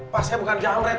pak saya bukan jamret